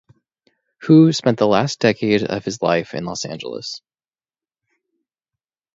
Hu spent the last decade of his life in Los Angeles.